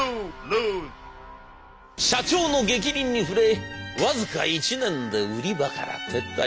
社長の逆鱗に触れ僅か１年で売り場から撤退。